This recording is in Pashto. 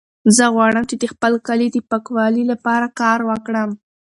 زه غواړم چې د خپل کلي د پاکوالي لپاره کار وکړم.